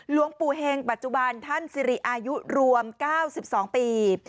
หลวงปู่เฮงปัจจุบันท่านสิริอายุรวม๙๒ปี